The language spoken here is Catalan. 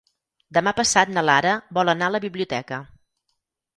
Demà passat na Lara vol anar a la biblioteca.